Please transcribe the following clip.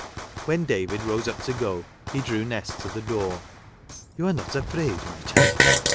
When David rose up to go, he drew Nest to the door. " You are not afraid, my child